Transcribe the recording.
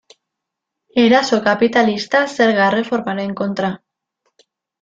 Eraso kapitalista zerga erreformaren kontra.